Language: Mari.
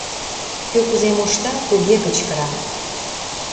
Кӧ кузе мошта, туге кычкыра.